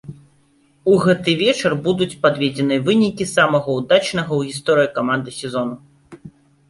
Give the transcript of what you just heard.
У гэты вечар будуць падведзеныя вынікі самага ўдачнага ў гісторыі каманды сезону.